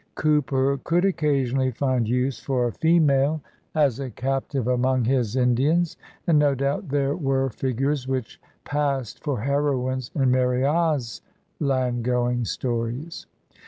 Cooper could occasionally find use for a ''female" as a captive among his Indians; and no doubt there were figures which passed for heroines in Marryat's land going stories.